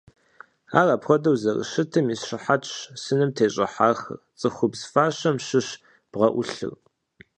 Ар апхуэдэу зэрыщытым и щыхьэтщ сыным тещӀыхьахэр – цӀыхубз фащэм щыщ бгъэӀулъыр.